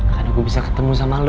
karena gue bisa ketemu sama lo